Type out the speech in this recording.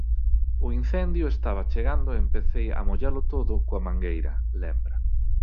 O incendio estaba chegando e empecei a mollalo todo coa mangueira, lembra.